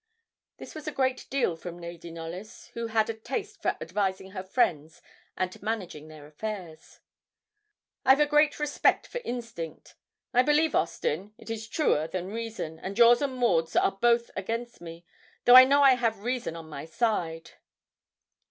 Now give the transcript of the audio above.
This was a great deal from Lady Knollys, who had a taste for advising her friends and managing their affairs. 'I've a great respect for instinct. I believe, Austin, it is truer than reason, and yours and Maud's are both against me, though I know I have reason on my side.'